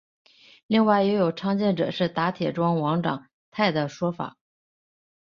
另外也有倡建者是打铁庄王长泰的说法。